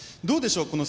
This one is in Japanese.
どうでしょう